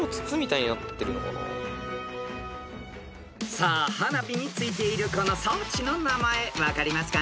［さあ花火についているこの装置の名前分かりますか？］